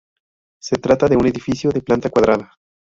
Se trata de un edificio de planta cuadrada.